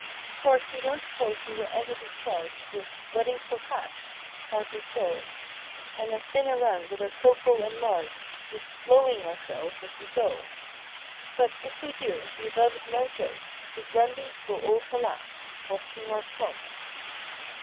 'Course we don't suppose we will ever be charged With "wedding for cash"—hardly so— And then spin around with our "coco" enlarged. Just "blowing" ourselves as we go; But, if we do, the above is no joke— The Grundys will all collapse—"watching our smoke."